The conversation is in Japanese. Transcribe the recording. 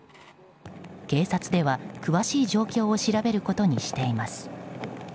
警察では、詳しい状況を調べることにしています。